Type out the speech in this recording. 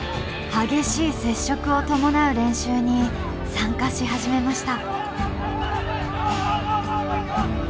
激しい接触を伴う練習に参加し始めました。